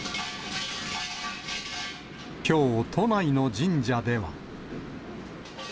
きょう、都内の神社では。